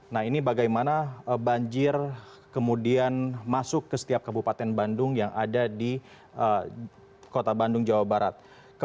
nah ini bagaimana banjir kemudian masuk ke setiap kabupaten bandung yang ada di kota bandung jawa barat